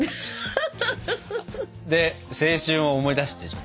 で青春を思い出すでしょ。